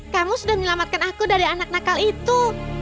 kamu sudah menyelamatkan aku dari anak nakal itu